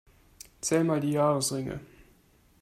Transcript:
Zähl mal die Jahresringe.